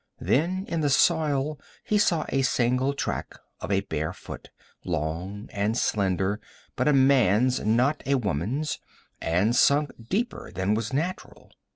Then in the soil he saw a single track of a bare foot, long and slender, but a man's not a woman's, and sunk deeper than was natural.